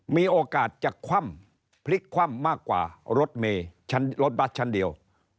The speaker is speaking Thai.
มีโอกาสจะคว่ำพลิกคว่ำมากกว่ารถเมย์รถบัสชั้นเดียว